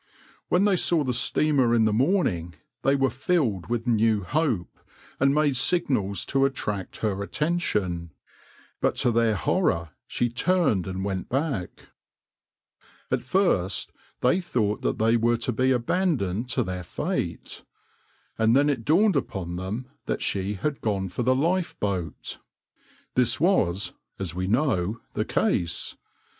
When they saw the steamer in the morning they were filled with new hope, and made signals to attract her attention, but to their horror she turned and went back. At first they thought that they were to be abandoned to their fate, and then it dawned upon them that she had gone for the lifeboat. This was, as we know, the case.